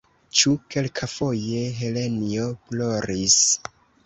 Ĉu kelkafoje Helenjo ploris?